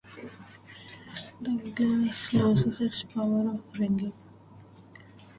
The glass loses its power of ringing.